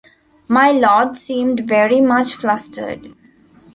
My Lord seemed very much flustered.